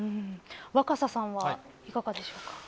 若狭さんはいかがでしょうか。